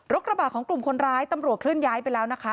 กระบะของกลุ่มคนร้ายตำรวจเคลื่อนย้ายไปแล้วนะคะ